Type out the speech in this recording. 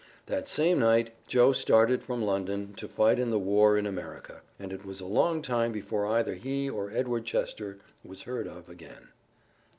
That same night Joe started from London to fight in the war in America. And it was a long time before either he or Edward Chester was heard of again.